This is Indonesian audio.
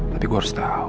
tapi gue harus tahu